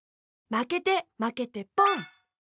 まけてまけてポン！